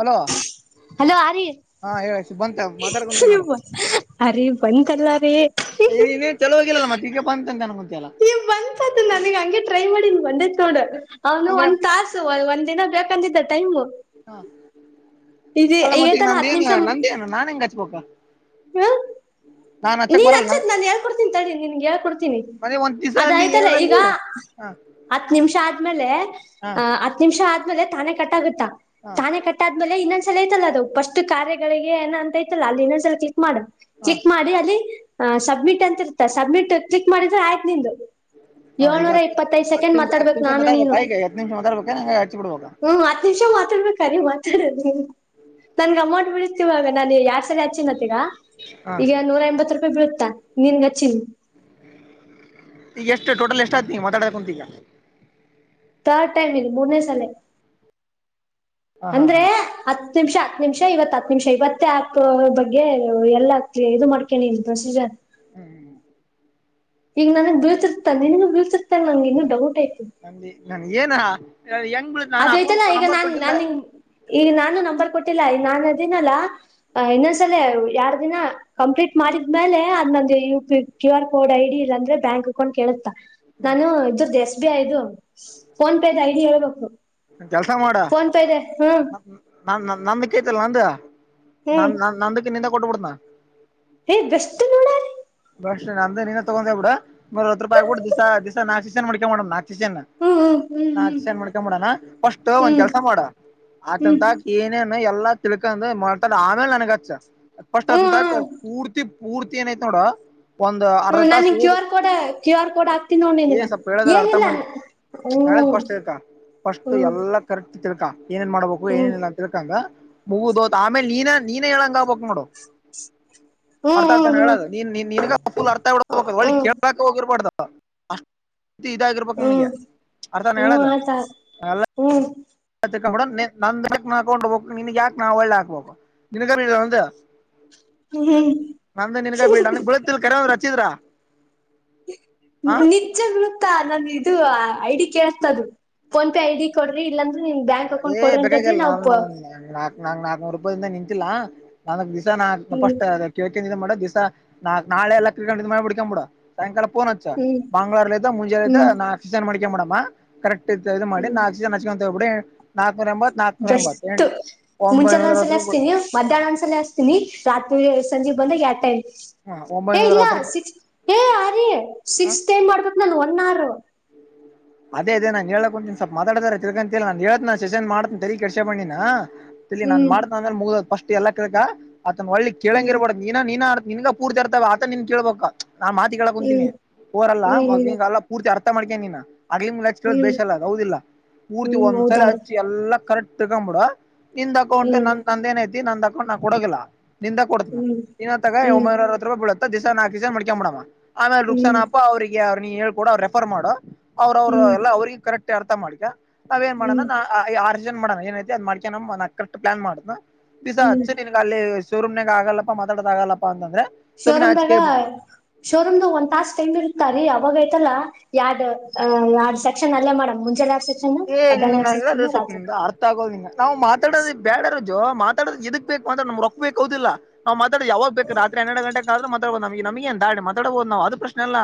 Hello hello Arya ಮಾತಾಡ್ಕೊಂತೀ ನೋಡು ಅರಿ ಬಂತಲ್ಲ ರೀ ನೀ ಚಲೋ ಹೋಗಿಲ್ಲಲ್ಲ ಮತ್ತೆ ಈಗ ಬಂತಂತ ಅನ್ಕೊಂತಲ್ಲ ನೀ ಬಂತತ್ದ ನನಗ ಹಂಗೆ ಟ್ರೈ ಮಾಡನ್ ಬಂದೆ ತೋಡ್ ಅವನು ಅಂದ್ರೆ ಒಂದ್ ತಾಸು ಒಂದ ದಿನ ಹ ಅಂತಿದ್ದ ಟೈಮ್ ಹಾ ಅಲ್ಲ ಮತ್ತಿಗೆ ಐತಲ್ಲ ನಂದೇಏನು ನಂದೇನು ನಾನನ್ ಹೆಂಗಗೆ ಹಚ್ಬಬೇಕ ಹಾ ನೀನ್ ನ ಹಚ್ಚತ್್ ನಾನ್ ಹೇಳ್ಕ ಕೊಡ್ತೀನಿ ತಳಿ ನಿನ್ಗೆ ಹಳ್ ಕೊಡ್ತೀನಿ ಮನೆ ಒಂದ್ ದಿವ್ಸ ಅಂದಿ ಅದಾಯ್ತಲ್ಲ ಈಗ ಏನಂದಿ ಹ ಹತ್ ನಿಮಿಷ ಆದ ಆಮೇಲೆ ಹ ಅ ಹತ್ ನಿಮಿಷ ಆದ್ಮೇಲೆ ತಾನೆ ಕಟ್ಟಾಗುತ್ತಾ ಹ ತಾನೆ ಕಟ್ಟಾದ್ಮೇಲೆ ಇನ್ನೊಂದ ಲ ಐಲ್ಲ ಅದು ಫಸ್ಟ್ ಕಾರ್ಯಗಳಿಗೆ ಏ ಅಂತ ಐಲ್ಲ ಅಲ್ಲಿ ಇನ್ನೊ್ಲ ಕ್ಲಿಕ್ ಮಾಡು ಹ ಕ್ಲಿಕ್ ಮಾಡಿ ಅ ಸಬ್ಮಿಟ್ ಅಂತ ಇರುತ್ತ ಸಬ್ಮಿಟ್ ಕ್ಲಿಕ್ ಮಾಡಿದ್ರೆ ಆಯ್ತ್ು ನಿಂದು ಹಾ ಈಗ ಏಳ್ನೂರ ಇಪ್ಪತ್ತೈದು ಹತ್ತು ಸೆಕೆಂಡ್ ನಿಮಿಷ ಹತ್ತು ಮಾತಾಡ್ಬೇಕು ನಿಮಿಷ ನಾನು ನೀನು ಮಾತಾಡ್ಬೇಕಾ ಈಗ ಹತ್ತು ನಿಮಿಷ ಮಾತಾಡ್ಬೇಕಾ ನಂಗೆ ಹಚ್ಚಿ ಬಿಡ್ಬೇಕಾ ಹ್ಮ್ ಹತ್ ನಿಮಿಷ ಡ್ಬೇಕರಿ ಮಾತಾಡ ನನ್ ಗ ಅಮ್ಮಂಟ್ ಬಿಳತಿವಾಗ ನ ಯ ಗ ಹಾ ಈ ನೂರ ಎಂಬತ್ ರೂಪಾಯಿ ಬಿಳುತ್ತಾ ನಿಂದಗ ಚಿ ಮಾತಕಂತಗ ರ್ಡ್ ಟೈಮ್ ಇದೆ ಮೂನೇ ಸಲ ಹಾ ಹಾ ಅಂದ್ರೆ ಹಾ ಅತ್ ಹ ನಿಮಿಷ ಹತ್ತು ನಿಮಿಷ ಇವತ್ತು ಹತ್ತು ನಿಮಿಷ ಇವತ್ತೇ ಆಪ್ ಬಗ್ಗೆ ಎಲ್ಲ ಆತಿ ಇದು ಮಾಡ್ಕೇನಿ ಇದು ಪ್ರೊಸೀಜರ್ ಹ್ಮ್ ಹ್ಮ್್ಮ ಈಗ ನನನ್ಗ್ ಬಿಳ್ಚಿರ್ತೆ ನಿನಗೂ ಬಿಳ್ಸಿರ್ತಾನ ನಂಗೆ ಇನ್ನು ಡೌಟ್ ನಂದಿ ನನ್ ಏನ ಹೆಂಗ್ ಬಿಳತ್ ನಾನು ಅದ ಆಯ್ತಲ್ಲಾ ಅಕೌಂಟ್ ಈಗ ನಂಬರ್ ನಾನ್ ಕೊಟ್ಟಿಲ್ಲ ನನ್ ಈಗ ನಾನು ನಂಬರ್ ಕೊಟ್ಟಿಲ್ಲ ನಾನನ್ ಅದನಲ್ಲ ಇನ್ನೊಂದ್ಸಲ ಎರಡ್ ದಿನ ಕಂಪ್ಲೀಟ್ ಮಾಡಿದ್ಮೇಲೆ ಅದ್ ನ ಯ ಕ್ಯೂ ಆರ್ ಕೋಡ್ ಐಡಿ ಇಲ್ಲ ಅಂದ್ರೆ ಬ್ಯಾಂಕ್ ಅಕೌಂಟ್ ಕೇಳುತ್ತಾ ನಾನು ಇದ್ರ ದಸ್ ಿಯದು ಫೋನ್ ಪೇದ ಐಡಿ ಹೇಳ್ಬೇಕು ಕೆಲ್ಸ ಮಾಡ ದ್ ಹ್ಮ್ ನ ನಮ ಕೈತಲ್ಲ ನಂದ ನ ಹ್ಮ್ ನ ನಂದುಕ ನಿಂತಾ ಕೊಟ್ಟ ಬಿಡತ ಏ ನೋಡ್ ಅಲ್ಲಿ. ಬಸ್ ನ ಅಂದ ನೀನೇ ತಗೊಂಡೇ ಬಿಡತ್ ರೂಪಿ ಆಬ ಬಿಡ್ ದಿಸಸಾಕ್ ದಸನ್ ಮಡಿಕಕ ಮಾಡ ನಾಕ್ ಚನ್ನ ಹ್ಮ್ ಹ್ಮ್ ಹ್ಮ್ ನಾನ್ ಮಾಡ್ಕೊಂಡಂಬಡಣ ಫಸ್ಟ್ ಒಂದ್ ಹ್ಮ್ ಕೆಲ್ಸ ಮಾಡ ಹ್ಮ್ ಆಕಂತ ಏನೇ ಎಲ್ಲಾ ತಿಳ್ಕ ಮಾಡತಾ ಆಮೇಲೆ ನನ್ಗಚ್ಚ ಪಸ್ಟ್ ಅದ ಹ್ಮ್ ಪೂರ್ತಿ ಮೂರ್ತಿ ಏನಐತೆ ನೋಡ ಒಂದ್ ಅರ್ಧ ಹ್ಮ್ ತಾಸ ನಾನ್ ಕ್ಯೂ ಹೂದು R code Q R code ಹಾಕ್ತೀನಿ ನೋಡ್ ನಿನಗ ಏ ಸ್ವಪ ಹೇಳದ್ರ ಅರ್ಧ ಏನಿಲ್ಲ ಮಾಡ ನಾಳೆದ ಹ್ಮ್ ಫಸ್ಟ್ ತಿಳ್ಕ ಫಸ್ಟ್ ಹ್ಮ್ ಎಲ್ಲಾ ಕರೆಕ್ಟ್ ತಿಳ್ಕಾ ಏನೇನ್ ಮಾಡ್ಬೇಕು ಹ್ಮ್ ಹ್ಮ್ ಏನೇನಿಲ್ಲ ಅಂತ ತಿಳ್ಕಂದ ಮೂಗುದೋ ಆಮೇಲೆ ನೀನ ನೀನ ಹೇಳಂಗ ಆಗ್ಬಕ್ ನೋಡ ಅರ್ಥ ಹ್ಮ್ ಅರ್ಥಾನ ಹೇಳದು ನೀನ್ಗ ಫುಲ್ ಹ್ಮ್ ಅರ್ಥಡಬೇಕ ಹ್ಮ್ ಕೇಳಕ್ ಹೋಗ ಕೊಡ್ದ ತಿ ಇದಾಗಿರ್ಬೇಕಕ್ ಹ್ಮ್ ನನ್ಗೆ ಅರ್ಥಾನ ಹ್ಮ್ ಹೇಳದು ಆಯ್ತ ಅಲ್ಲ ಹ್ಮ್ ಡ ನಂದಕ್ ನಾಕೊಂಡ್ ಹು ನನ್ಗ್ ಯಾಕಕ್ ನಾ ಒಳ್ಳೆ ಹಾಕ್ಬೇಕು ನಿನಗ ಒಂದು ಹ್ಮ್ [inaudible] ನಂದ ನಿನಾ ಬ ಕುಳದಲ್ಲಿ ಕರ ರಚಿತರಾ ನಿಜ ಗ [unintelligible] ನ ಇದು ಐಡಿ ಕೇಳ್ತದೆ ಫೋನ್ ಪೇ ಐಡಿ ಕೊಡ್ರಿ ಇಲ್ಲಾಂದ ನಿಮ್ ಬ್ಯಾಂಕ್ ಅಕೌಂಟ್ ಕೊಡ್ರಂತದವಿ ನಾವು ನಾ್ ನಾಕನೂರು ರೂಪಾಯಿಂದ ನಿಂಂತಿಲ್ಲ ನನಗ್ ದಿವಸ ನಾ ಹ್ಮ್ ಫಸ್ಟ್ ಅ ಕ ಮಾಡ ದಿವಸಾ ನಾಳೆ ಎಲ್ಲ ಕ್ರಿಕೆಟ್ ಮಾಡಿ ಬಿಡ್ಕಂಬುಡ ಸಾಯಂಕಾಲ ಹ ಹ್ಮ್ ಬಂಗ್ೂರ್ಲ್ಲಿ್ದಾ ಮುಂಜೆ ಹ್ಮ್ ನಾ ಆಫಸನ್ ಮಡಿಕ ಮಡ ಕರೆಕ್ಟ್ ಇ ಮಾಡಿ ಹ್ಮ್ ನಾಕು ನಚ್ಕೊಂತ ಬಿಡಿ ನಾಕ ಬ್ರಸ್ು ಮುಂಚೆ ಒಂಬೈನೂರ ಒಂದ್ಸಲ ಅರವತ್ತು ರೂಪಾಯಿ ಹಸ್ತೀನಿ ಮಧ್ಯಾಹ್ನ ಒಂದ್ಸಲ ಹಸ್ತೀನಿ ರಾತ್ರಿ ಸಂಜೆ ಬಂದಾಗ ಯಟೈಮ ಹಾ ಏ ಒಂಬೈನೂರ ಇಲ್ಲ ಅರವತ್ತು ರೂಪಾಯಿ ಸಿಕ್ ಏ ಯ ರ ಹಾ ಸಿಕ್ಸ್ ಟೈಮ್ ಮಾಡ್ತೇತಿ ನನ್ ಒನ್ ಅವರ್ ಅದೇ ಅದೇಾನ್ ಹೇಳಕ್ಂತನ್ ಸ್ವಪ ಮಾತಾಡತಾರ ತಿರ್ಗಂತಿ ನಾನ್ ಹೇಳತ್ನ ನ ಸೆನ್ ಮಾಡತನ ತರಿೀ ಕೆಡಸ ಬಣ್ಣಿನಾ ಇ ನಾನ್ ಹ್ಮ್ ಮಾಡ್ತ ಅಂದ್ರೆ ಮುಗ್ ಸ್ಟ್ ಎಲ್ಲ ಕಕ ಅತನ ಒಳ್ಳಿ ಹ್ಮ್ ಕೆಳಂಗಿರ್ಬಡ ನೀ ನಿನ್ಗ ಪೂರ್ತಿರ್ತವ ಆತ ನಿನ್ ಕೇಳ್ಬಬೇಕ ನಾನ್ ಮಾತಿ ಕೇಳ ಹ್ಮ್ ಕುಂತೀಿನಿೋರಲ್ಲ ಹ್ಮ್ ಮಗಲ್ಲಾ ಪೂರ್ತಿ ಅರ್ ಮಾಡ್ಕ ನೀ ಆಗ್ಲಿ ಮು ಬೇ ಹ್ಮ್ ಅಲ್ಲ ಅ ಹೌದಿಲ್ಲ ಪೂರ್ತಿ ಹ್ಮ್ ಒಂದ್ ಸಲ ಹೌದಾಳ ಹಚ್ಚಿ ಎಲ್ಲ ಕರೆಕ್ಟ್ ತಿಕೊ್ಂಬಿಡ ನಿಂದ್ ಅಕೌಂಟ್ ಹ್ಮ್ ನನ್ ತಂದೆನ ಐತಿ ನಂದ್ ಅಕೌಂಟ್ ನಾ ಕೊಡೋಗಿಲ್ಲ ನಿಂದ ಕೊಡ್ತನ ಹ್ಮ್ ಇನ್ನ ತಗ ಹ್ಮ್ ಒಂಬೈೂರತ್ ರೂಪಾಯಿಳುತ್ತೆ ದಸ ನಾಕ ದಿವಸ ಮ್ಕೊಂಬ ಮಾಡಡವ ಆಮೇಲೆ ಹ್ಮ್ ರುಕ್ಸನ್ಪ್ಪಾ ಅವ್ರರಿಗೆ ಅವ್ರನ ಹೇಳ್ಕೊಡ ಅವರು ರೆಫರ್ ಮಾಡೋ ಅವ್ರ ಅವರು ಹ್ಮ್ ಎಲ್ಲ ಅವ್ರಿಗೆ ಕರೆಕ್ಟ್ ಅರ್ಥ ಮಾಡ್ಕ ನಾವ್ಏನ್ ಹ್ಮ್ ಮಾಡಣಾ ಆರ್ ಜನ್ ಮಾಡೋಣಏನೈಐತಿ ಅ್ ಮಾಡ್ಕ ನ ನ ಕರೆಕ್ಟ್ ಪ್ಲಾನ್ ಮಾಡ್ ಬಿಸಾ ಹ್ಮ್ ಅಚ್ಚ ನಿನ್ಗ ಅಲ್ಲಿ ಶೋರೂಮ್ಾಗ ಆಗಲ್ಲಪ್ಪಾ ಮಾತಾಡದ ಆಗಲ್ಲಪ್ಪ ಅಂತಂದ್ರೆ ಸುಮ್ನೆ ಶೋರೂಮ ದಾಗ ಹಚ್ಕೆ ಶೋರೂಮ್ಗ ಒಂದ್ ತಾಸ ಟೈಮ್ ಇರ್ತಾರಿೀ ಅವಾಗ ಯಾವ್ದ್ ಯಾವ್ ಸೆಕ್ಷನ್ ಅಲ್ಲೇ ಮಾಡ ಮುಂಜೆ ಏ್ ನ ಅದೇ ಸ್ೊಪ್ ನಿ ಅರ್ಥ ಆಗೋದ್ಂಗ ನಾ್ ಮಾತಾಡೋ ಬ್ಯಾಡಾರ ಮಾತಾಡ ಎದಕ್ ಬೇಕತಾ ನ್ೊಕ್ಬೇಕು ಅದಿಲ್ಲ ನಾ್ ಮಾತಾೋ ಯಾಗ ಬೇಕ ರಾತ್ರಿ ಹೆರ ಗಟೆ ಆದ್ರೆ ನಮಗೆ ನಮಗೆಂತಾ ಮಾಡ ಮಾತಡಬೋದು ನವು್ ಪ್ರಶ್ ಅಲ್ಲ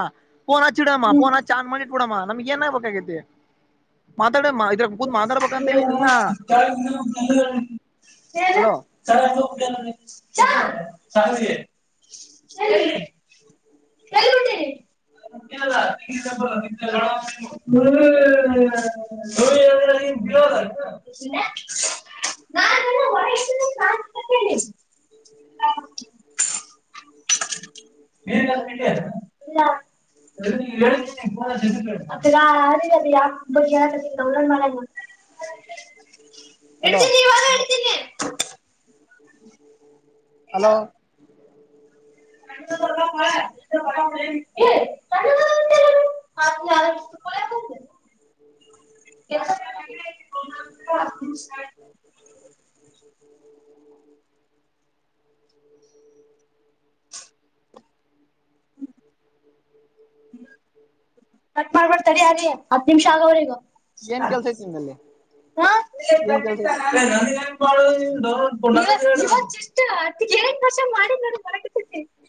ಫೋನ್ ಹ್ಮ್ ಹಿಡಮ್ಮಫೋನ್ ಹ ಆನ್ ಮಾಡಿ ಬಿಡಮ್ಮ ನಮ್ಗೆ ಏನ್ ಆಾಗಬೇಕಾಗೈತಿ [inaudible] ಹಲೋ ಸಳಟ ಚ ಚಲಿ [unintelligible] ಹ್ಮ [inaudible] ಕೆಲ್ಲಣ ಲ್ಲ [unintelligible] [inaudible] ನೀಲ್ಲ [unintelligible] ಅ ಬ [unintelligible] ಡೌನ್ಲೋಡ್ ಮಾಡ ಹಲೋ ಇಡ್ತೀನಿವ ಇಡ್ತೀನಿ ಹಲೋ ಮ ಕ ಕ [inaudible] ಹ ಅಷ್ಟು ಕ ಕೊ ಎಷ್ಟ [unintelligible] ಹ [inaudible] ಹ್ಮ್ [inaudible] ಕಟ್ ಮಾಡಾರಬಡ್ತರಿ ಅಗ ಹತ್ತು ನಿಮಿಷ ಆಗವರೆಗ ಏನ್ ಕೆಲ್ಸ ಐತ್ ನಿಂದಲ್ಲಿ ಹ [inaudible] ಏನ್ ಕೆಲ್ಸ ಐತಿ ವರ್ಷ ಮಾಡಿ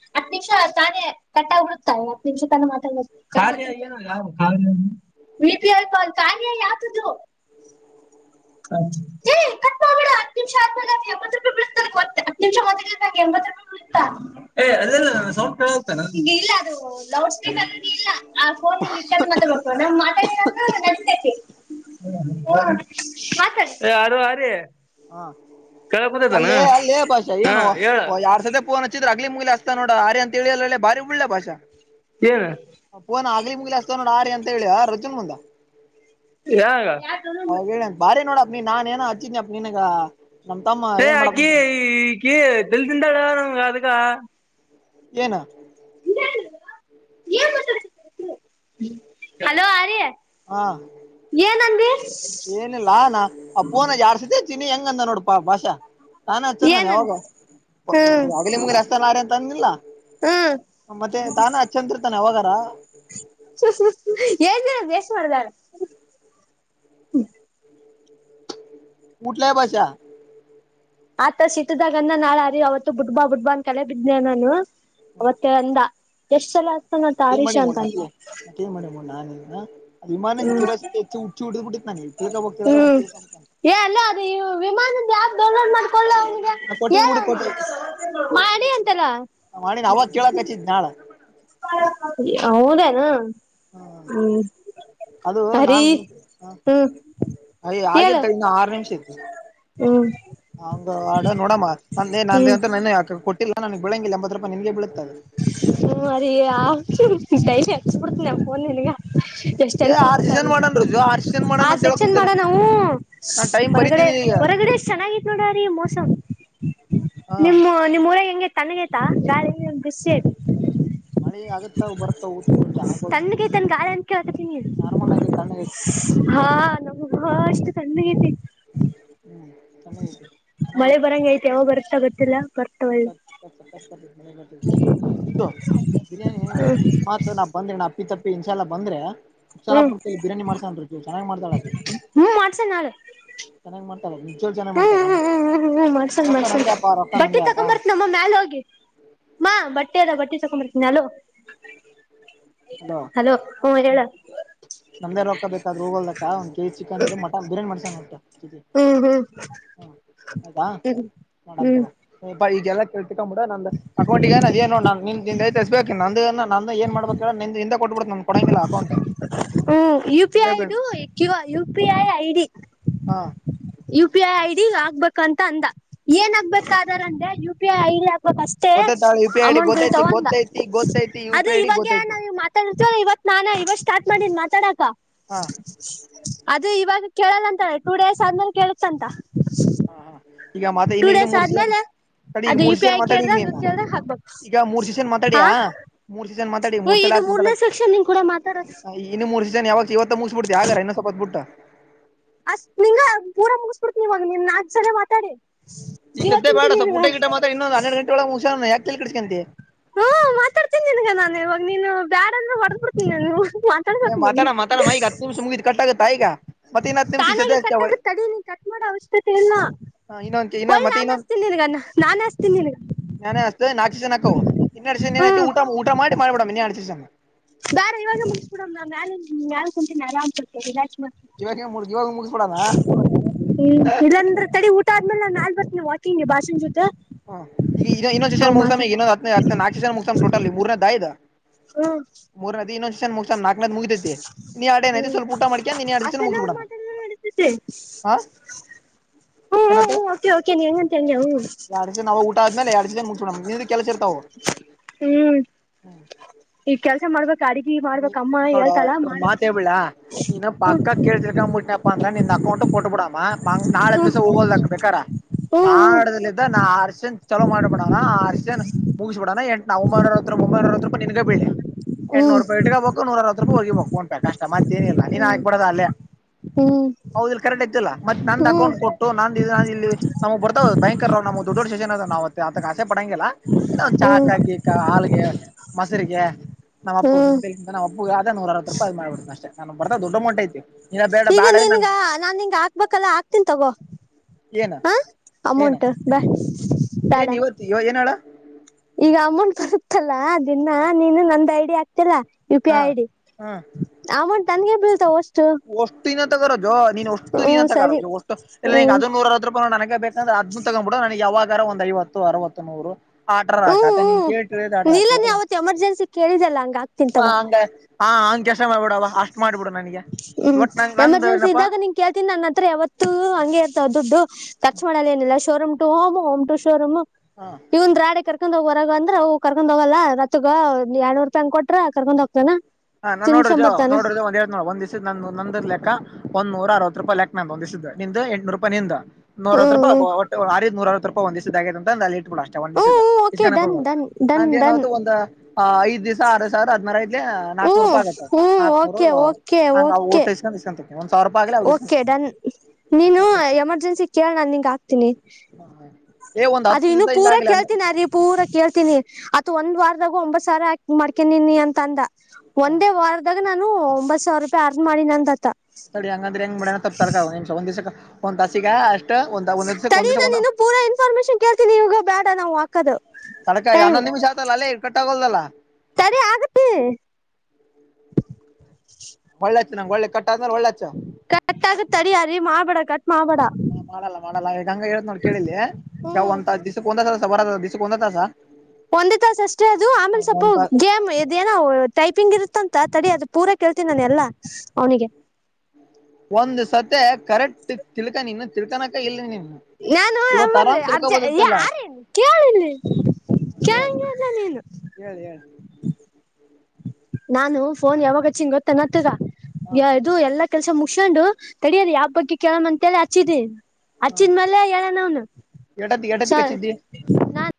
ಮ [unintelligible] ಹತ್ ನಿಮಿಷ ತಾನ ಕಟ್ಟ ಉಡುತ್ತಾರೆ ಹತ್ ನಿಮಿಷ ತಾನ ಮಾತಾಡ ನಿಪಪ ಕಾಲಯ ಯಾತದು [inaudible] ಹ [inaudible] ಹ ನಿಮ ಎಾಯ ರಲ್ಲ ಆ ಫೋನ್ ಹಿಂಗ್ ಇಷ್ಟ್ರ ಮಾತಬೇಕು ನಮ್ ಮಾತಾಡಂತ ನನ್ಸ್ತೇತಿ ಹ ತ ಯಾರ ಅ ರ ಹ ಅಲ್ಲೇ ಅಲ್ಲೇ ಭಾಷಾ ಏನು ಹೇಳ ಯಾರ್ ಸತೆ ಪೋನ್ ಹಚ್ಚಿದ್ರ ಆಗ್ಲಿ ಮುಗಿಲಿ ಅತಾ ನೋಡ ಅರೆ ಅಂತ ಹೇಳಿಯಲ್ಲ ಬಾರಿ ಉಳ್ಳೆ ಭಾಷೋ ಏನ್ ಆಗ್ಲಿ ಮುಗಲಿ ಅತಾೋ ಆಾರಿ ಅಂತ ಹೇಳಿ ರಜುನ್ ಮುಂದ ಯಾವಾಗ ಅವ ಹೇಳಿಂತ ಭಾರಿ ನೋಡ ಅ ನಾನ ಏನ ಅಚ್ಚನಿ ಅ ಯಾ ಕೀ ಈ ಕೀ ತಲ್ಲಿ ನಿಂತಲ್ಲೇ ಅದಕ್ಕಾ. ಏನ ಹಲೋ ಆರ್ಯ ಹಾ ಏನಂದಿ ಏನಿಲ್ಲಾನ ಅಪ್ಪೋನ ಯಾಡ್ಸಿದ್ದ ತಿನಿ ಹೆಂಗಂದ್ ನೋಡಪ ಭಾಷಾ. ತಾನ ಚಂದನ ಏನಂದ ಯಾವಾಗೊ ಹ್ಮ್ ಯಗಲಿ ಮುಗಲಿ ಆಚಾತಾನಾ ಅಂತ ಅಂದಿಲ್ಲ. ಹ್ಮ್ ಮತ್ತೆ ತಾನ ಅಚ್ಚಂತರ್ ತಾನೆ ಯಾವಾಗಾರ ಹೂ ಹೂ ಹೇಶವರ್ದಾರ ಉಟ್ಲಾ ಬಷಾ ಆತ ಸೀಟದಾಗ ನಾಳ ಅರಿ ಅವತ್ತು ಬುಟ್ ಬಾ ಬುಟ್ ಬಾ ಅನ್ ಕಲೆ ಬಿದ್ದನೆ ನಾನು ಅವತ್ತು ಅಂದ ಎಷ್ಟ್ ಸಲ ಅತಾನ ತಾರೀಶ ಅಂತ ಅಂದ ನಾನ್ ಇನ್ನ ಇಮಾ ನನ್ ಹ್ಮ್ ಕ್ಯೂರಸಿಟಿ ಹೆಚ್ಚು ಹುಚ್ಚಿ ಇಡಿದ್ ಬಿಟ್ಟು ನಾನ ಇ ತಿಳ್ಕೊಬೇಕ್ ತಿಳ್ಕೊಬೇಕ್ ಹ್ಮ್ ತಿಳ್ಕೊಬೇಕ್ ಏ ಅಲ್ಲ ಅದು ವಿಮಾನದ ಆಪ್ ಡೌನ್ಲೋಡ್ ಮಾಡ್ ನಾ ಕೊಟ್ಟಿನ್ ಹೇಳ್ ಬಿಡು ಕೊಟ್ಟೆ ಮಾಡನೆ ತ್ತೀಯಾ ಅಂತಲ್ಲ ಮಾಡಿನ ಅವಾಗ ಕೇಳಕ್ ಹಚ್ಚಿದ್ ನಾಳ ಹೌದೆನೊ ಹ್ಮ ಅದು ಹರಿ ನಾನು ಹೂ ಹ ಹ್ಮ್ ಅಯ ಆಗಿಲ್ಲ ಹೇಳು ತಡಿ ಇನ್ನು ಆರು ನಿಮಿಷ ಐತ್ತಿ ಹ್ಮ್ ಹಂಗ ಆಡ ನೋಡಮ್ಮ ನಂದೇ ನೇ ಹ್ಮ್ ಅಂತ ನೆನೆ ಯಾಕ ಕೊಟ್ಟಿಲ್ಲ ನನ್ ಬಿಳಂಗಿಲ್ಲ ಎಂಬತ್ ರೂಪಯಿ ನಿನ್ಗೆ ಬಿಳು ಹ್ಮ್ ಆರಿಯಾ ಹೂ ಹೂ ಡೈಲಿ ಹಚ್ಚ್ ಬಿಡ್ಡತ್ತೀನಿ ಪೋನ್ ನಿನಗ ಎಷ್ಟ್ ಏ ಎಲ್ಪ್ ಆರ್ ಸೀಸನ್ ಆಗುತ್ತೆ ಮಾಡನ್ ರುಜು ಆರ್ ಸೀಸನ್ ಮಾಡಣ ಆ ಅಂತ ಹೇಳಕ್ ಸೆಕ್ಷನ್ ಕುಂತಿಲ್ಲ ಮಾಡ್ ನಾವು ನಾನ್ ಟೈಮ್ ಹೊರಗಡೆ ಬರಿತೀನಿ ಈಗ ಹೊರಗ್ ಎಷ್ಟ್ ಚೆನ್ನಾಗಿತ್ತು ನೋಡ ರೀ ಮೋಸ ಹಾ ನಿಮ್ಮ ನಿಮ್ಮ್ ಊರಾಗ ಹೆಂಗೆ ತಮಿನೆಟ ಗಾಳಿ ಬಿಸಿ ಐತಿ ಮಳಿ ಆಗುತ್ತಾವು ಬರ್ತಾವ್ ಊತ್ ಬಿಡ್ ಜ ಆಗಲ್ ಪೂರ್ತಿ ತಣ್ಣಗೈತನ್ ಗಾಳಿ ಅಂತ ಕೇಳಕತೀನಿ ನಾರ್ಮಲ್ ಆಗಿ ತಣ್ಣಗೈತಿ ಹಾ ನಮಗ ಅಷ್ಟು ಕಣ್ಣೈತಿ ಹ್ಮ್ ತಣ್ಣಗೈತಿ ಮಳೆ ಬರಂಗೈತಿ ಯಾವಾಗ ಬರುತ್ತೋ ಗೊತ್ತಿಲ್ಲ ಬರ್ ಸಖತ ಸಖತ್ ಪಟ್ಟ ಮಳೆ ಬರ್ತೀದೆ ಇದು ಬಿರಿಯಾನಿ ಆಕಸ್ಮಾತ್ ನಾ ಬಂದ್ರೆ ನಾ ಅಪ್ಪಿ ತಪ್ಪಿ ಇನ್ಸೆಲ್ಲಾ ಬಂದ್ರೆ. ಹ್ಮ್ ಅರ್ಚನ್ ಬಿರಿಯಾನಿ ಮಾಡ್ಸನ್ ಚೆನ್ನಾಗ್ ಮಾಡ್ತಾಳ್ ಆಕಿ ಹ್ಮ್ ಮಾಡ್ಸನ್ ನಾಳೆ ಚನ್ನಾಗ್ ಮಾಡ್ತಳ್ ನಿಜ್ವಾಗಳ್ ಚೆನ್ನಾಗಿ ಹ್ಮ್ ಮಾಡ್ತಾಳೊ ಹ್ಮ್ ಹ್ಮ್ ಹ್ಮ್ ಹ್ಮ್ ಮಾಡ್ಸನ್ ರೊಕ್ಕ ಮಾಡ್ಸನ್ ನಂದೇ ಅಪ್ಪ ರೊಕ್ಕ ಬಟ್ಟಿ ನಂದೇ. ಆತಾ ತಕೊಂಬರ್ತ್ ಅಮ್ಮ ಮ್ಯಾಲ ಹೋಗಿ ಮಾ ಬಟ್ಟೆ ಅದವ ಬಟ್ಟೆ ತಕೊ ಬರ್ತೀನಿ ಮ್ಯಾಲ್ ಹೋಗಿ ಹಲೋ ಹ್ಮ್ ಹೇಳು ನಮ್ದೇ ರೊಕ್ಕ ಬೇಕಾದ್ರೆ ಹೋಗಲಿ ಅಕ್ಕ ಒಂದ್ ಕೆ ಜಿ ಚಿಕನ್ ಇ ಮಟನ್ ಬ ಬಿರಿಯಾನಿ ಮಾಡ್ಸಣ್ ಹೊಟು [unintelligible] ಹ ಹೌದ ಐತ ನೋಡಣ ಹ್ಮ್ ತಗೋ ಬಾ ಇದ್ದೆಲ್ಲಾ ಇಕೊಂಬಿಡು ನನ್ನದ್ ಅಕೌಂಟಗೆ ಏನ್ ಐದೆ ಏನೊ ನೀನದ್ ಐತೆ ಎಸ್ ಬಿ ಅಕೌಂಟ್ ನನ್ನದು ನು ಏನ್ ಮಾಡ್ಬೇಕು ನಿಂದೇ ಕೊಟ್ಬಿಡ್ತೀನಿ ನಮ್ ಕೊಡಂಗಿಲ್ಲ ಅಕೌಂಟ್ ಹ್ಮ್ ಯು ಪಿ ಐ ದು Q U P I ID ಹಾ ಯು ಪಿ ಐ ಐಡಿ ಆಗ್ಬೇಕ ಅಂತ ಅಂದ ಏನಾಗಗ್ಬೇಕ್ ಆಧಾರ್ ಅಂದೆ ಯು ಪಿ ಐ ಐಡಿ ಆಗ್ ಹ ಪಾಷ್ಟೇ ಗೊತ್ತೈತಾ U P I D amount ಗೊತ್ತೈತಿ ಬಿಳ್ಳತ್ತಾವಂದ ಗೊತ್ತೈತಿ ಗೊತ್ತೈತಿ ಯು ಅದು ಪಿ ಐ ಡಿ ಇವಾಗೆ ಗೊತ್ತೈತಿ ನಾವು ಮಾತಾಡೈತಿಯೊ ಇವತ್ ನಾನಾ ಇವಾಗ ಸ್ಟಾರ್ಟ್ ಮಾತಡ್ ತಡಕ ಹಾ ಅದು ಇವಾಗ ಕೇಳಲ್ಲಂತಳ ಟೂ ಡೇಸ್ ಆದ್ಮೇಲೆ ಕೇಳುತಂತ ಹಾ ಹಾ ಈಗ ಮತ್ತೆ ಇನ್ನು ಇನ್ನು ಮುರ್ ಸಿಸನ್ ಆದ್ಮೇಲೆ ತಡಿ ಈಗ ಅದು ಮೂರು ಯು ಪಿ ಸೇಷನ್ ಐ ಮಾತಾಡಿ ಈಗ ಕೇಳ್ದಾಗ ನೀನು ಕೇಳ್ದಾಗ ಹಾಕ್ಬೇಕು ಈಗ ಮೂರು ಸೇಷನ್ ಹಾ ಮಾತಾಡಿಯಾ ಮೂರು ಸೇ ಷನ್ ಮಾತಾಡಿ ಹ್ಮ ಮೂರ್ ಸಲ ಇದು ಮಾತಾಡ್ ಮೂರನೇ ಸೆಕ್ಷನ್ ನಿನ್ ಕೂಡ ಮಾತಾಡೋದು ಇನ್ನು ಮೂರ್ ಅದೇನ್ ಇವತ್ತು ಮುಗಸ್ ಬಿಡ್ತಿಯಾ ಆಗಾರೆ ಇನ್ನ ಸ್ವಲ್ಪ್ ಬಿಟ್ಟು ಅಷ್ಟ ನಿಂಗ ಪೂರ ಮುಗಿಸ್ ಬಿಡ್ತೀನಿ ನಿನ್ನ್ ನಾಲ್ಕು ಸಲಿ ಮಾತಾಡಿ ಈಗ ಜೀವ ಸದ್ಯ ಬೇಡ ತಿಂತೀನಿ ಸ್ವಲ್ಪ ಊಟ ನಿನಗ ಗಿಟ ಮಾತ್ರ ಇನ್ನೊಂದು ಹನ್ನೇರಡು ಗಂಟೆ ಒಳಗ್ ಮುಗಸ್ ಕೊಳ್ಳೋಣ ಯಾಕ್ ತಲೆ ಕೆಡ್ಸಕೊಂತಿ ಹ್ಮ್ ಮಾತಾಡ್ತೀನಿ ನಿನಗೆ ನಾನ್ ಇವಾಗ ನೀನು ಬ್ಯಾಡ ಅಂದ್ರೆ ಹೊಡೆದ್ ಬಿಡ್ತೀನಿ ನಾನು ಏ ಮಾತಾಡ್ಬೇಕ್ ನೀನ್ ಬಿಡು ಮಾತಾಡ ಮಾತಾಡ ಈಗ ಹತ್ತು ನಿಮಿಷ ಮುಗಿದ್ ಕಟ್ ಆಗುತ್ತಾ ಈಗ ಮತ್ತೆ ಇನ್ನ ಹತ್ತು ನಿಮಿಷ ಈಗ ತಾನಾಗಿ ಸದ್ಯ ಅಷ್ಟೇ ಕಟ್ಟಾಗುತ್ತೆ ತಡಿ ಕಟ್ ಮಾಡೋ ಅವಶ್ಯಕತೆ ಇಲ್ಲ ಇನ್ನೊಂದ್ ಇನ್ನೊಂದ್ ಒಳ್ಳ್ ಮತ್ತೆ ನಾನ್ ಇನ್ನೊಂದ್ ಅಸ್ತೀನಿ ನಿನ್ಗ ನಾನ್ ಅಸ್ತೀನಿ ನಿನ್ಗ ನಾನೇ ಅಸ್ತೀನ್ ನಾಕ್ ಸೀಸನ್ ಹಾಕವು ಇನ್ ಎರಡ್ ಸೇಶನ್ ಐತಿ ಹ್ಮ್ ಊಟ ಊಟ ಮಾಡಿ ಮಾಡ್ ಬಿಡಮ್ಮಿ ಇನ್ನು ಎರಡ್ ಸೇಷನ್ ಬಾರ್ ಇವಾಗ ಮುಕ್ಸ್ ಬಿಡಣ ಬಾ ಮ್ಯಾಲ್ ಕುತ್ತಿದ್ದೀನಿ ಆರಾಮ್ಸೆ ಕುತ್ತೀದ್ದೀನಿ ರೀಲಕ್ಸ್ ಬಾ ಇವಾಗ ಮುಗ್ ಇವಾಗ ಮುಗಿಸ್ಬಿಡಣ ಹ್ಮ ಇಲ್ಲಂದ್ರೆ ತಡಿ ಊಟ ಆದ್ಮೇ ನಾಲ್ ಬರ್ ನೀವು ಹಾಕಿನಿ ಭಷಣ ಜೋತೆ ಹ ಈಗ ಇನ್ನೊಂದು ಜನ ಮುಗಸ ಇನ್ನೊಂದು ಹತ್ ಹತ್ ನಾಕು ಜ ಮುಗ್ಸ ಟಲ್ ಮೂರನೇ ದಾಯ ಇದ ಹಾ ನಾಲ್ಕನೇದ್ [inaudible] ಮುಗಿತೈತಿ ಇನ್ ಎರಡ್ ಏನೈತಿ ಹ್ಮ್ ಸ್ವಲ್ಪ ಊಟ ಮಾಡ್ಕ್ಯಂಡ್ ಇನ್ ಎರಡ್ ಸೀಸನ್ ಅಸನವ್ರ ಮುಗಿಸ್ಬಿಡಣ ಮಾತ ನಡತತೆೆ ಹಾ ಹ್ಮ್ ಹ್ಮ್ ಹ್ಮ ೆ ಕೆ ನೀ ಹೆಂಗಂತನ್ಯ ಹ ಎರಡು ದಸ ನಾವು ಊಟ ಆದ್ಮೇಲೆ ಎರಡು ದಸೆ ಮುಗಸೋ ನಿ್ದ ಕೆಲಸ ಇರ್ತವು ಹ್ಮ್ ಈ ಕೆಲ್ಸ ಮಾಡ್ಬೇಕ ಅಡಿಗೆ ಮಾಡ್ಬೇಕ ಅಮ್ಮ ನೋಡ ಹೇಳ್ತಾಳ ಮಾತ್ ಮಾಡ್ಬೇಕು ಹೇಬಿಳಾ ಇನ್ನ ಪಕ್ಕ ಕೇಳತಿರ್ಕಂಬಿಟ್ಟನಪ್ಪ ಅಂದ್ರ ನಿನ್ ಅಕೌಂಟ್ಕ್ ಕೊಟ್ಬ ಮಂಗ್ ನಾಳೆ್ ದಿವಸ ಹೋಗೋಲ್ ಹಾಕ್ ಬಬೇಕಾರ ಹ್ಮ್ ನಾನ್ಡದದಲ್ಲಿ್ದ ನಾ ಆರುಷನ್ ಚಲೋ ಮಾಡಿಬಡಣ ಆರ್ಷನ್ ಮುಗಿಸ್ಬಿಡಾನ ಎ ನಾವುಮಂಬನರತ್ರ ಒಂಬೈನರತ್ರ ನ ನಿನ್ಗ ಬೆಳಿ ಹ ಹ ನೂರ ಅವ ರೂಪಾಯಿ ಹೋಗಿಬೇಕು ಉಂಟೆ ಕಷ್ಟ ಮತ್ತೇಏನಿಲ್ಲಾ ನೀನ್ ಹ್ಮ್ ಆಗ್ಬಡುದ ಅೇ ಹ್ಮ್ ಆಯ್ಲ್ಲ ಮತ್ ನಂದ್ ಹ್ಮ್ ಅಕೌಂಟ್ ಕೊಟ್ಟು ನಂದ ನ ಇ ನಮಗ್ ಬರ್ತಾವ್ ಭಯಂಕರ್ ನಮ ದೊಡ್ಡಡ್ಡ ಸೇನ್ ಅದ ನಾವ್ೆತ ಆಸೆ ಪಡಂಗಿಲ್ಲ ಇ ಒ್ ಚಾಕ ಹ್ಮ್ ಗೀಿಕ ಹಾಾಲಿಗೆ ಮೊಸರಿಗೆ ನಮ್ಮ ಹ್ಮ್ ಅಪ್ಪ ನಾಬ್ಬಗದೇೂ ಅರವ ರೂಪಿ ಅ ಮಾಡ್ಿಡ್ನ ಅ ನ ಬದ ದಡ್ಡಮೌಂಟ್ ಐತಿ ಇಲ್ಲ ಬೇಡ ಈಗ ಬ್ಯಾಡ್ರಿ ನಿನ್ಗ ನಂಗ್ ನಾನ್ ನಿಂಗ ಹಾಕ್ಬೇಕಲ್ಲ ಹಾಕ್ತೀನ್ಿ ತಗೋ ಏನ ಹಾ ಏನ ಅಮಂಟ ಬ ಬೇಡ ಏನ್ ಇವತ್ ಇವ ಏನ್ ಹೇಳ ಈಗ ಅಮೌಂಟ್ ಬರುತ್ತಲ್ಲಾ ದಿನ ನೀನು ನಂದ ಐಡಿಯ ಯು ಪಿ ಹಾ ಐ ಐಡಿ ಅಮೌಂಟ್ ನನ್ಗೆ ಬೀಳ್ತಾವ ಅಷ್ಟ ವಷ್ಟಿಿನ ತಗೋೋ ನೀನು ಅಷ್ಟು ನೀನು ಹ್ಮ್ ಸರಿ ತಗೋಷ್ಟು ಇಲ್ಲ ಹ್ಮ್ ಅದೋೂರವ ರೂಾಯ ನನಗೆ ಬೇಕಂದ್ರ ಅದ ತಗೊಂಡ್ ಬಿುೋ ನನಗೆ ಯಾವಾಗ ಒ್ ಐವತ್ತು ಅರವತ್ತು ನೂರು ಆಡ್ರ ಹಕತ [inaudible] ಹ್ಮ್ ಹ್ಮ್ ಇಲ್ಲ ನೀ ಅವತ್ ಎಮರ್ಜೆನ್ಸಿ ಕೇಳಿದಲ್ಲ ಹಂಗ ಹಾಕ್ತಿನ್ ತಗೋ ಆ ಹ ಮಾಡ್ಬಿಡವ ಅಷ್ಟ ಮಾಡಬಿಡು ನನಗೆ ಹ್ಮ್ ಒಟ್ ನಂಗ ನಂದ ಎಮರ್ಜೆನ್ಸಿ ಏನಪ್ಪಾ ಇದ್ದಾಗ ನಿನ್ ಕೇಳ್ತೀನಿ ನನ್ನ ಹತ್ರ ಯಾವತ್ತು ಹಂಗೆ ಇರ್ತ ದುಡ್ಡು ಖರ್ಚ್ ಮಾಡಲ್ಲ ಏನಿಲ್ಲ ಶೋರೂಮ್ ಟು ಹೋಮ್ ಹೋಮ ು ಶೋರೂಮ್ ಹ ಇ ಒಂದು ರಾಡೆ ಕರ್ಕೊಂಡ್ ಹೋಗ ಅಂದ್ರ ಅವು ಕರ್ಕೊಂಡ್ ಹೋಗಲ್ಲಾ ರತ್ಗ ಎರಡ್ನೂರು ರೂಪಾಯಿ ಕೊಟ್ರ ಕರ್ಕೊಂಡ್ ಹೋಗ್ತೇಾನ ಸೀನ್ಸ್ ನೋಡ್ರ ಒಂದ ನೋ ಒಂದ್ಿವ್ ನ ನಂದರ್ ಲೆಕ್ಕ ಒಂದ ನೂರ ಅರವತ್ತು ರೂಪಾಯ ಲೆಕ್ನಂತಂದಿಸಿದ್ದ ನಿ ಎಂಟ್ನೂರು ರೂಪಾಯಂದ ನೂರವ ಹ್ಮ್ ರೂಪಾಯ ಒ ನೂರ ೂಪ ಒಂದ್ ದಿಸದ ಆ ಅಂತ ಅಲ್ಲಿ ಇಟ್ಬೋ ಹ್ಮ್ ಅಷ್ಟಂದ್ಿಸಸದ ಹ್ಮ್ ಓಕೆ ಡನ್ ಇಲ್ಲ ಡನ್ ಡನ್ ನಂಗ ಡನ್ ಏನತು ಒಂದು ಹ ಐದ್ಸ ಆರ ಸಾವಿರದಿನಾರ ಐ್ಲಿ ನೂರು ಹ್ಮ್ ರೂಪಾಯಿ ಆಗತತ್ ಹ್ಮ್ ನಾಕಕ್ನೂರು ಓಕೆ ಓಕೆ ಹಂಗ್ ಓಕೆ ಓಟಸ್ಕೊಂಡ್ ಇಂತ ಓಕೆ ಡನ್ ಅಷ್ಟ್ ನೀನು ಮಾಡ್ಕೊ ಎಮರ್ಜೆನ್ಸಿ ಕೇಳ ನಾನು ನಿಂಗ ಆಾಕ್ತೀನಿ ಏ ಒಂದ್ ಅದ ಹತ್ತು ಇನ್ನು ದಿವ್ಸ ಹಿಂಗ ಪೂರ ಆಗ್ಲಿ ಅಂದ ಕೇಳ್ತೀಿನಿ ಅ ರೀ ಪೂರಾ ಕೇಳ್ತೀನಿ ಅ ಒಂದ್ ವಾರದಾಗ ಒಂಬತ್ ಸಾವರಾ ಮಾಡ್ಕೊಂಡನಿ ಅಂತ ಅಂದ ಹಾ ಒಂದೇ ವಾರದಾಗ ಆಗ ನಾನು ಒಂಬತ್ ಸಾವಿರ ರೂಪಾಯಿ ಅರ್ಧ ಮಾಡಿ ನಂದ ದತ್ತ ಅಡಿ ಹಂಗಂದ್ರೆ ಹೆಂಗ್ ಮಾಡ್ಯನ ತಪ್ಪತಾರ ಒ ನಿಮ್ ಒಂದ್ ದ್ ಒಂದ್ ತಾಸಸಗ ಅಷ್ಟ ಒಂದ್ ಒಂದ್ ದಿವ್ಸಕ್ ಒಂದ್ ತೀ ದಿವ್ಸಕ್ ನಾನ ಒಂದ್ ಇನ್ನು ಪೂರಾ ಇನ್ಫಾರ್ಮೇಶನ್ ಕೇಳ್ತೀನಿ ಇವಗ ಬೇಡ ನಾವು ಹಾಕದು ಕಳಕ ಟೈಮ್ ಹನ್ನೊಂದ ನಿಮಷ ಆತಲ್ಲೇ ಇ ಕಟ್ಟಾಗೋಲ್ದಲ್ಲ ತಡಿ ಆಗುತ್ತೆ ಒಳ್ಳೆಚ್ಚೆ ನಂಗೆ ಒಳ್ಳೆ ಕಟ್ಟ ಕಟ್ಟಾಗ ತಡಿ ಅಾರ ಹಾ ಮಾಡಲ್ಲ ಮಾಡಲ್ಲ ಈಗ ಗಂಗ ಹೇಳೇತ್ ನೋಡ್ ಕೇಳಿಲ್ಲ ಈಗ ಒಂದ ದಿವ್ ಒಂದಲ ಬರ ದಸೊಂಡೋಂತಾ ಒಂದೇ ತಾಸಸ್ ಅಷ್ಟೇ ಅದು ಆಮೇಲೆ ಸ್ವಲ್ಪ ಒಂದ್ ತಾ ಗೇಮ್ ಇದೇನೋ ಟೈಪಿಂಗ್ ಇರುತ್ತಂತ ತಡಿ ಅದು ಪೂರಾ ಕೇಳ್ತೀನಿ ನಾನ ಎಲ್ಲಾ ಅವನಿಗೆ ಒಂದ್ ಸತೆ ಕರೆಕ್ಟ್ ತಿಳ್ಕಾನನ್ ತಿಳ್ಕನಕ ಇಲ್ಲ ನೀನ್ ನಾನು ಅರ್ಜ ಯಾರೇನು ಕೇಳಿಲ್ಲ ಹೇಳ್ ಕಲ್ಲ ನೀನು ಹೇಳ್ ಹೇಳ್ ನಾನು ಫೋನ್ ಯಾವಾಗಚ್ಚಿನ್ ಗೊತ್ತ ನತ್ತದ ಹಾ ಯ ಇದು ಎಲ್ಲಾ ಕೆಲ್ಸ ಮುಗಸೊಂಡು ತಡಿಯರಿ ಯಾವ ಬಗ್ಗೆ ಕೇಳಂತೇಳಿ ಹಚ್ಚಿದೆ ಹಾ ಅಚ್ಚಿದ ಮೇಲೆ ಎನವನು ಎಟತ್ತಿಗ್ ಸ ಎಟತ್ತಿಗ್ ಹಚ್ಚಿದ್ದಿ ನಾ